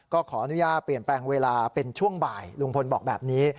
ก็ขออนุญาตเปลี่ยนแปลงเวลาเป็นช่วงบ่ายลุงพลบอกแบบนี้